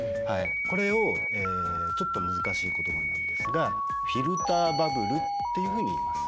これをちょっと難しい言葉なんですがフィルターバブルっていうふうにいいます。